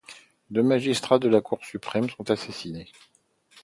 Deux magistrats de la Cour suprême sont assassinés.